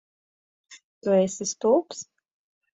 Tu esi stulbs?